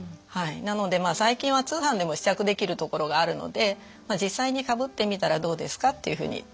なので最近は通販でも試着できるところがあるので「実際にかぶってみたらどうですか」っていうふうに言っています。